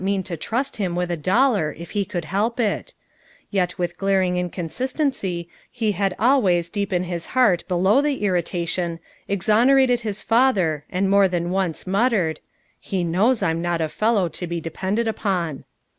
mean to trust him with a dollar if ho could help it; yet with glaring inconsist ency he had always deep in Ins heart below the irritation exonerated his father and more than once muttered: "IFo knows I'm not a fellow <o be depended upon."